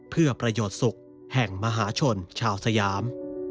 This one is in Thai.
เพื่อประโยชน์สุขแห่งมหาชนชาวสยาม